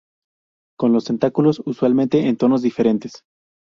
Con los tentáculos usualmente en tonos diferentes.